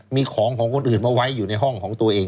มีของของคนอื่นมาไว้อยู่ในห้องของตัวเอง